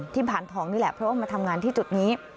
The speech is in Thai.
ผ่านทองนี่แหละเพราะว่ามาทำงานที่จุดนี้